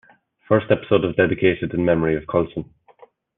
The first episode is dedicated in memory of Coulson.